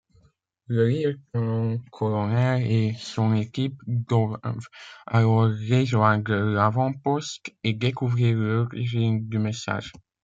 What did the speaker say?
Le lieutenant-colonel et son équipe doivent alors rejoindre l'avant-poste et découvrir l'origine du message.